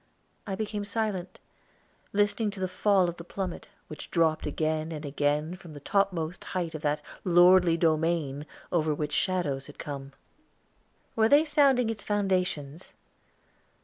I became silent, listening to the fall of the plummet, which dropped again and again from the topmost height of that lordly domain, over which shadows had come. Were they sounding its foundations?